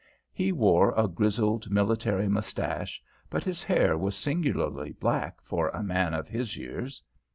He wore a grizzled military moustache, but his hair was singularly black for a man of his years.